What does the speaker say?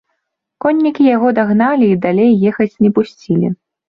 Коннікі яго дагналі і далей ехаць не пусцілі.